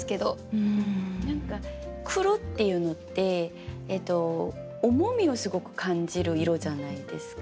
何か「黒」っていうのって重みをすごく感じる色じゃないですか。